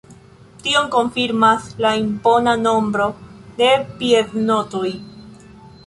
Tion konfirmas la impona nombro de piednotoj.